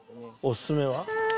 おすすめは？